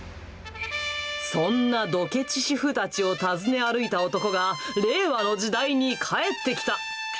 そんなドケチ主婦たちを訪ね歩いた男が、令和の時代にかえってきた。